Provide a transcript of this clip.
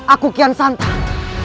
aku kian santan